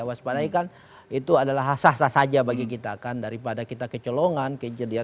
waspadai kan itu adalah sah sah saja bagi kita kan daripada kita kecolongan kejadian